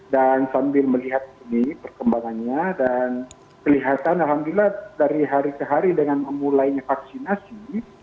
dan sambil melihat ini perkembangannya dan kelihatan alhamdulillah dari hari ke hari dengan memulainya vaksinasi